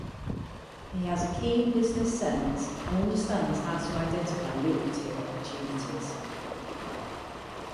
He has a keen business sense and understands how to identify lucrative opportunities.